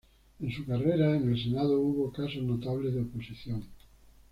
En su carrera en el Senado hubo casos notables de oposición.